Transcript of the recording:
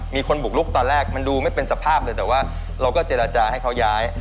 มีคนบุกลุกตอนแรกมันดูไม่เป็นสภาพเลยแต่ว่าเราก็เจรจาให้เขาย้าย